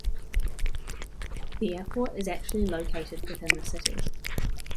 The airport is actually located within the city.